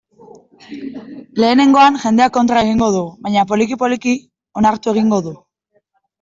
Lehenengoan, jendeak kontra egingo du, baina, poliki-poliki, onartu egiten du.